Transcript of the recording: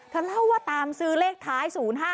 เล่าว่าตามซื้อเลขท้าย๐๕